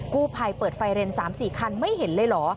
กู้ภัยเปิดไฟเรน๓๔คันไม่เห็นเลยเหรอ